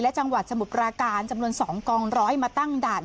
และจังหวัดสมุทรปราการจำนวน๒กองร้อยมาตั้งด่าน